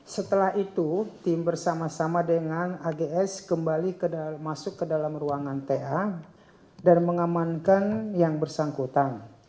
setelah itu tim bersama sama dengan ags kembali masuk ke dalam ruangan ta dan mengamankan yang bersangkutan